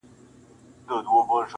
تش په نامه یې د اشرف المخلوقات نه منم,